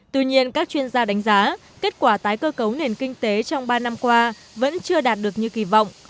tuy nhiên các chuyên gia đánh giá kết quả tái cơ cấu nền kinh tế trong ba năm qua vẫn chưa đạt được như kỳ vọng